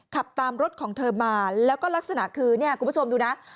ขับตามรถของเธอมาแล้วก็ลักษณะคือเนี่ยคุณผู้ชมดูนะ